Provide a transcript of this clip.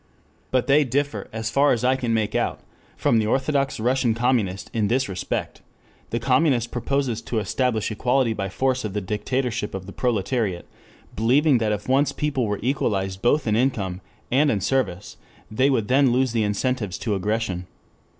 But they differ, as far as I can make out, from the orthodox Russian communist in this respect: The communist proposes to establish equality by force of the dictatorship of the proletariat, believing that if once people were equalized both in income and in service, they would then lose the incentives to aggression.